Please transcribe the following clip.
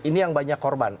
ini yang banyak korban